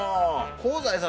香西さん